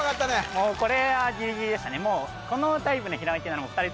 もうこれはギリギリでしたね